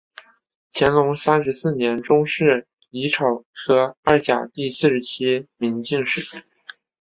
乾隆三十四年中式己丑科二甲第四十七名进士。